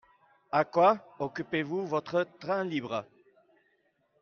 À quoi occupez-vous votre temps libre ?